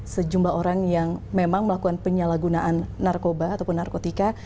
sejumlah orang yang memang melakukan penyalahgunaan narkoba ataupun narkotika